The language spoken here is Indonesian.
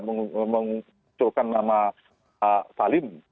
memunculkan nama salim